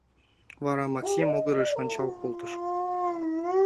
Вара Макси могырыш ончал колтыш.